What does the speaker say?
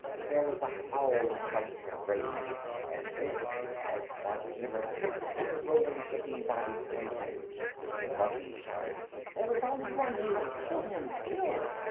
There was a howl of fright and rage, and then as Bagheera tripped on the rolling kicking bodies beneath him, a monkey shouted: "There is only one here! Kill him! Kill."